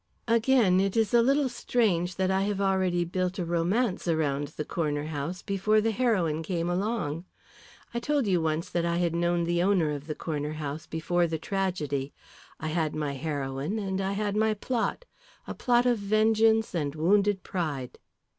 "Again, it is a little strange that I have already built a romance round the Corner House before the heroine came along. I told you once that I had known the owner of the Corner House before the tragedy. I had my heroine and I had my plot. A plot of vengeance and wounded pride.